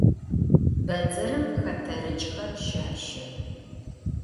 Bedzerım xeterıç'xer şaşe.